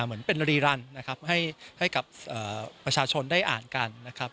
เหมือนเป็นรีรันนะครับให้กับประชาชนได้อ่านกันนะครับ